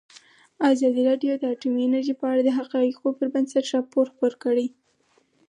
ازادي راډیو د اټومي انرژي په اړه د حقایقو پر بنسټ راپور خپور کړی.